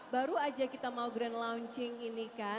baru aja kita mau grand launching ini kan